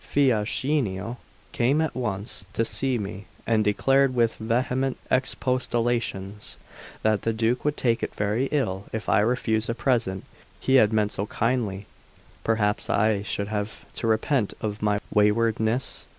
Fiaschino came at once to see me, and declared, with vehement expostulations, that the Duke would take it very ill if I refused a present he had meant so kindly; perhaps I should have to repent of my waywardness.